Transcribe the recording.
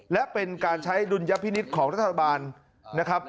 และเป็นการใช้ดุลยพินิษฐ์ของรัฐบาลนะครับ